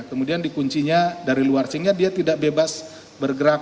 kemudian dikuncinya dari luar sehingga dia tidak bebas bergerak